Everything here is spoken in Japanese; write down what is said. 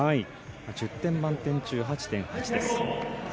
１０点満点中８．８です。